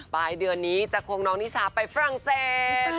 ปลายเดือนนี้จะควงน้องนิชาไปฝรั่งเศส